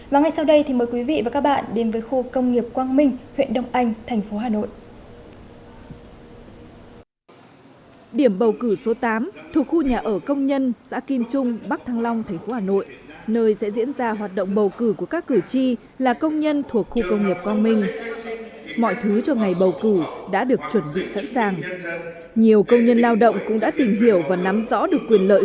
và ngay sau đây thì mời quý vị và các bạn đến với khu công nghiệp quang minh huyện đông anh thành phố hà nội